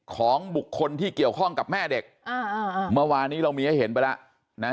ของบุคคลที่เกี่ยวข้องกับแม่เด็กอ่าเมื่อวานี้เรามีให้เห็นไปแล้วนะ